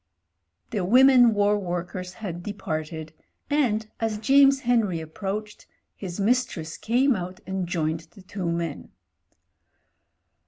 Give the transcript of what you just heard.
The Women War Workers had departed, and, as James Henry approached, his mistress came out and joined the two men.